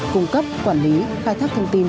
cung cấp quản lý khai thác thông tin